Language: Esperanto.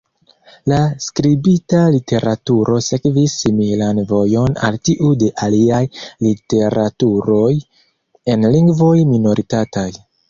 La skribita literaturo sekvis similan vojon al tiu de aliaj literaturoj en lingvoj minoritataj.